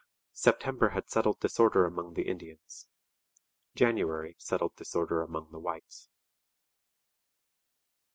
September had settled disorder among the Indians. January settled disorder among the whites.